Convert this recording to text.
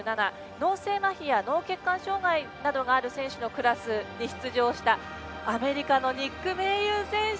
脳性まひや脳血管障がいなどがある選手のクラスに出場したアメリカのニック・メイユー選手。